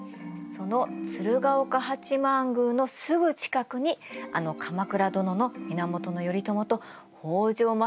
その鶴岡八幡宮のすぐ近くにあの鎌倉殿の源頼朝と北条政子が住んでました。